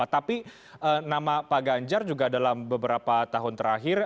tapi nama pak ganjar juga dalam beberapa tahun terakhir